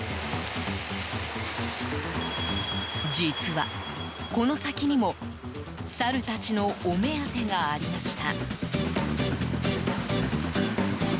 実はこの先にも、サルたちのお目当てがありました。